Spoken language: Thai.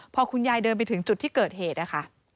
พอคุณยายเดินไปถึงจุดที่เกิดเหตุนะคะ